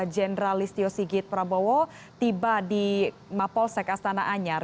jenderalist tio sigit prabowo tiba di mapolsek astana anyar